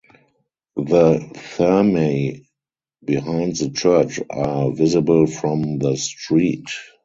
The thermae behind the church are visible from the street.